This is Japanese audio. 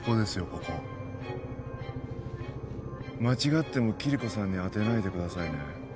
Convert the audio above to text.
ここ間違ってもキリコさんに当てないでくださいね